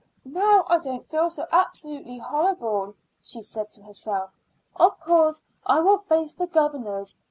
"Now I don't feel so absolutely horrible," she said to herself. "Of course I will face the governors.